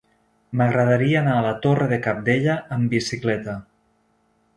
M'agradaria anar a la Torre de Cabdella amb bicicleta.